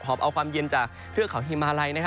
ครอบเอาความเย็นจากเพื่อกเขาฮิมาไล